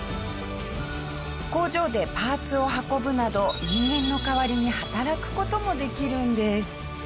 工場でパーツを運ぶなど人間の代わりに働く事もできるんです。